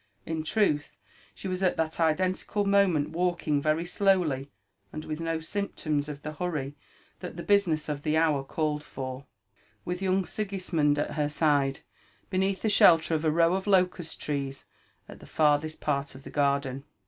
In truth, she w%is at that identical moment walking very slowly, and with no symptoms of ttie hurry that the business of the hour called for, with young Sigis mond at her aide, beneath the shelter of a row of locust trees at the farthest part of the garden.